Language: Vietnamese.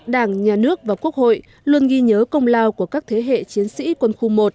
đảng nhà nước và quốc hội luôn ghi nhớ công lao của các thế hệ chiến sĩ quân khu một